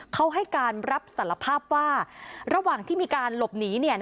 เขาให้การรับสารภาพว่าระหว่างที่มีการหลบหนี